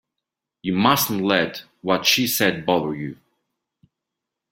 You mustn't let what she said bother you.